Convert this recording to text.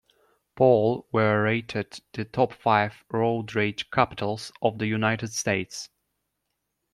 Paul were rated the top five "Road Rage Capitals" of the United States.